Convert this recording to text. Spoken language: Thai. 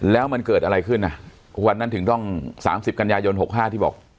แล้วมันเกิดอะไรขึ้นน่ะวันนั้นถึงต้องสามสิบกัญญายนหกห้าที่บอก